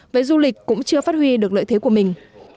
về du lịch cũng chưa phát huy được lợi thế của mình